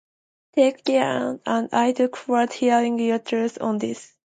Take care and I look forward to hearing your thoughts on this.